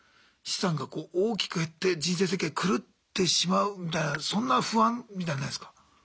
資産がこう大きく減って人生設計狂ってしまうみたいなそんな不安みたいのないすか？